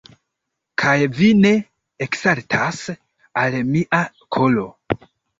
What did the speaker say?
Kaj vi ne eksaltas al mia kolo!